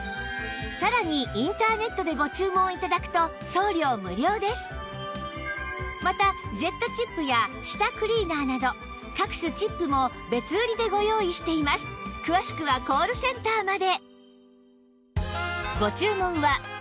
さらにまたジェットチップや舌クリーナーなど各種チップも別売りでご用意しています詳しくはコールセンターまで